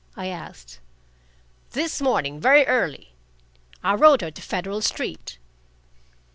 I asked. "This morning, very early. I rowed her to Federal Street."